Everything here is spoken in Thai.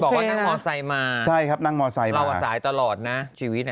บอกว่านั่งมอไซค์มาใช่ครับนั่งมอไซค์มาเราอ่ะสายตลอดนะชีวิตอ่ะ